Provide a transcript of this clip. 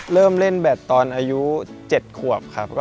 เริ่มเล่นแบตตอนอายุ๗ขวบครับ